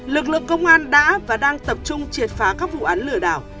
lực lượng công an đã và đang tập trung triệt phá các vụ án lừa đảo